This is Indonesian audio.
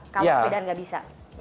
kalau sepedaan gak bisa